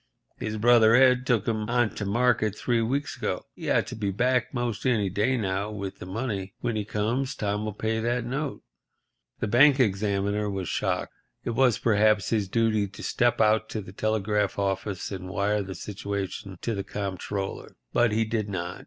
His brother Ed took 'em on to market three weeks ago. He ought to be back 'most any day now with the money. When he comes Tom'll pay that note." The bank examiner was shocked. It was, perhaps, his duty to step out to the telegraph office and wire the situation to the Comptroller. But he did not.